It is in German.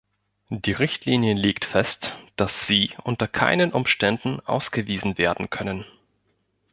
Die Richtlinie legt fest, dass sie unter keinen Umständen ausgewiesen werden können.